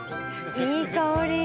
いい香り。